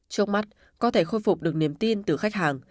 trước mắt có thể khôi phục được niềm tin từ khách hàng